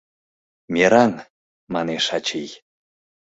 — Мераҥ, — манеш ачий.